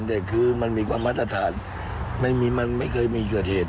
แต่คือมันมีความมาตรฐานมันไม่เคยมีเกิดเหตุ